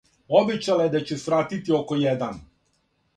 Обећала је да ће свратити око један.